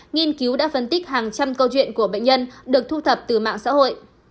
nghiên cứu đã phân tích hàng trăm câu chuyện của bệnh nhân được thu thập từ mạng xã hội